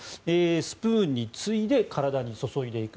スプーンについで体に注いでいく。